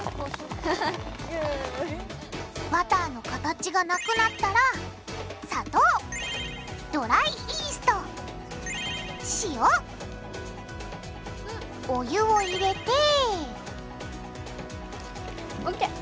バターの形がなくなったら砂糖ドライイースト塩。お湯を入れてＯＫ！